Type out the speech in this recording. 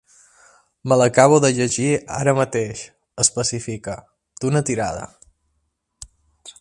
Me l'acabo de llegir ara mateix —especifica—, d'una tirada.